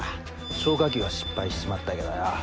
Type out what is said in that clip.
消火器は失敗しちまったけどよ。